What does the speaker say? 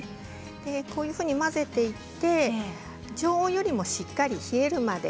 このように混ぜていって常温よりもしっかり冷えるまで。